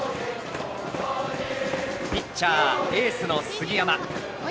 ピッチャー、エースの杉山。